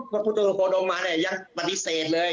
พุทธโครโดมมาเนี่ยยังปฏิเสธเลย